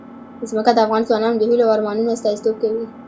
ځمکه د افغان ځوانانو د هیلو او ارمانونو استازیتوب کوي.